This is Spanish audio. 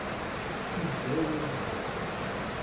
Museo Municipal.